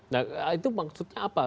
nah itu maksudnya apa